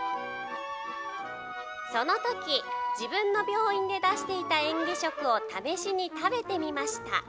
そのとき、自分の病院で出していた嚥下食を試しに食べてみました。